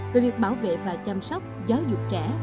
về việc bảo vệ và chăm sóc giáo dục trẻ